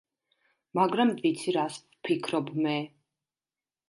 მაგრამ ვიცი რას ვფიქრობ მე.